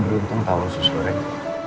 tapi lo beruntung tahu khusus goreng